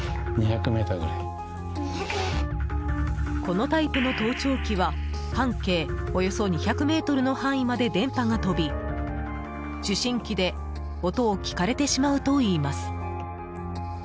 このタイプの盗聴器は半径およそ２００ｍの範囲まで電波が飛び受信機で音を聞かれてしまうといいます。